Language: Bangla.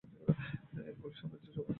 এর ফুলের সৌন্দর্য সবাইকে আকৃষ্ট করে।